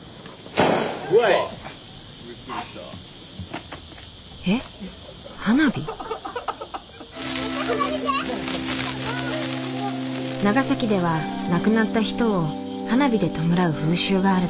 長崎では亡くなった人を花火で弔う風習があるという。